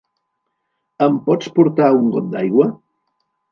Em pots portar un got d'aigua?